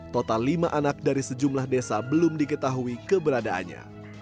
total lima anak dari sejumlah desa belum diketahui keberadaannya